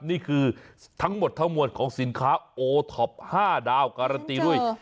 นี่คือทั้งหมดทั้งมวลของสินค้าโอท็อป๕ดาวการันตีด้วย